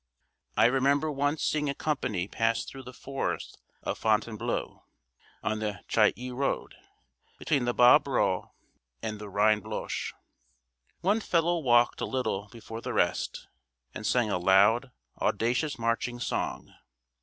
I remember once seeing a company pass through the forest of Fontainebleau, on the Chailly road, between the Bas Bréau and the Reine Blanche. One fellow walked a little before the rest, and sang a loud, audacious marching song.